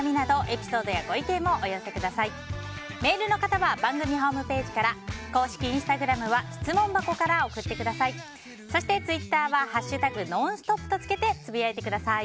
メールの方は番組ホームページから公式インスタグラムは質問箱から送ってください。